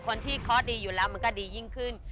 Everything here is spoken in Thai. คนที่เคาะดีอยู่แล้วมันก็ดียิ่งขึ้น